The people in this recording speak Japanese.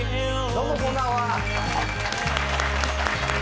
どうもこんばんは。